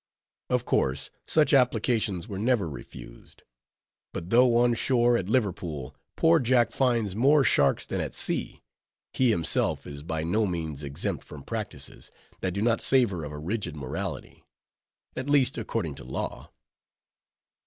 Of course such applications were never refused. But though on shore, at Liverpool, poor Jack finds more sharks than at sea, he himself is by no means exempt from practices, that do not savor of a rigid morality; at least according to law.